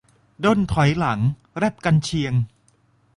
- ด้นถอยหลัง แร็ปกรรเชียง